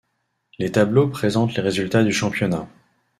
Les tableaux présentent les resultats du championnat.